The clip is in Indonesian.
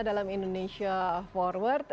dalam indonesia forward